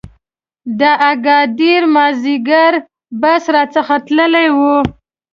د اګادیر مازیګری بس را څخه تللی و.